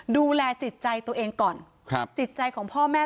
ดูแลจิตใจตัวเองก่อนครับจิตใจของพ่อแม่